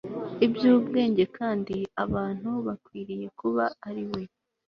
iby ubwenge kandi abantu bakwiriye kuba ari we